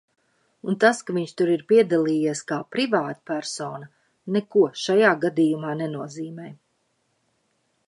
Un tas, ka viņš tur ir piedalījies kā privātpersona, neko šajā gadījumā nenozīmē.